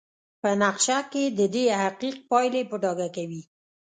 په نقشه کې ددې حقیق پایلې په ډاګه کوي.